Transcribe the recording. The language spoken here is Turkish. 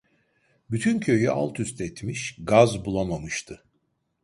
Bütün köyü altüst etmiş, gaz bulamamıştı.